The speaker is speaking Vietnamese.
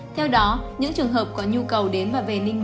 theo đó những trường hợp có nhu cầu đến và không có nguyên đán